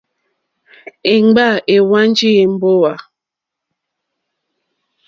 Èmgbâ èhwánjì èmbówà.